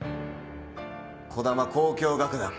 児玉交響楽団